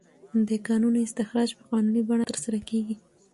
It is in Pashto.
د کانونو استخراج په قانوني بڼه ترسره کیږي.